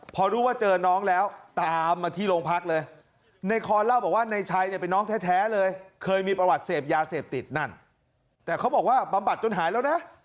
เป็นภรรหวัดเสียบยาเสียบติดแต่เขาบอกว่าปรับบัติจนหายแล้วนะ